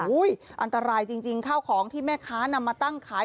อันตรายจริงข้าวของที่แม่ค้านำมาตั้งขาย